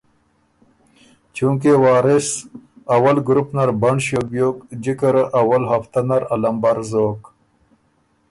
چونکې وارث اول ګروپ نر بنډ ݭیوک بیوک جکه ره اول هفته نر ا لمبر زوک۔